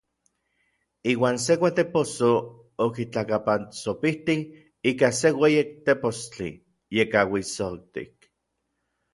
Iuan se kuatepossoj okitlakapantsopitij ika se ueyak tepostli yekauitsoktik.